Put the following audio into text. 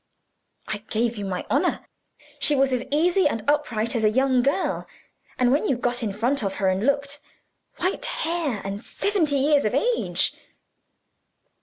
"I give you my honor, she was as easy and upright as a young girl; and when you got in front of her and looked white hair, and seventy years of age."